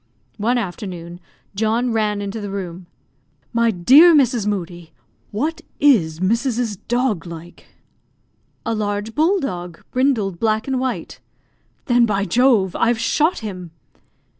One afternoon John ran into the room. "My dear Mrs. Moodie, what is Mrs. 's dog like?" "A large bull dog, brindled black and white." "Then, by Jove, I've shot him!"